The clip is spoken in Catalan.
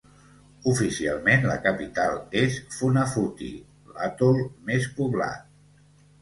Oficialment la capital és Funafuti, l'atol més poblat.